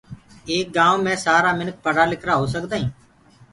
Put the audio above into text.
ايڪ گآئونٚ مي سآرآ منک پڙهرآ لکِرآ هو سگدآئينٚ